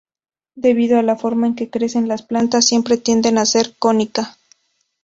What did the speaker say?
Debido a la forma en que crecen las plantas, siempre tiende a ser cónica.